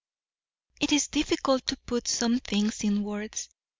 "It is difficult to put some things in words.